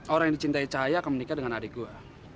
orang yang dicintai cahaya akan menikah dengan adik gue